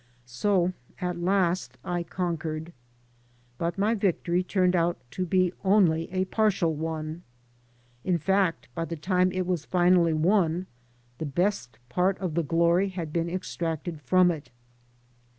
So at last I conquered. But my victory turned out to be only a partial one. In fact, by the time it was finally won the best part of the glory had been extracted from it.